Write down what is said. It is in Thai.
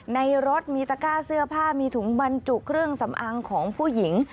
ในรถมีตะก้าเสื้อผ้ามีถุงบรรจุเครื่องสำอางของผู้หญิง